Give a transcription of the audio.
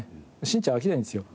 『しんちゃん』は飽きないんですよ。